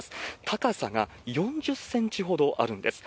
高さが４０センチほどあるんです。